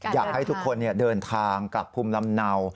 อยากให้ทุกคนเดินทางกลับภูมิลำเนา